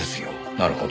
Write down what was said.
なるほど。